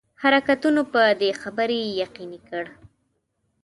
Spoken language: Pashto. حرکتونو په دې خبري یقیني کړ.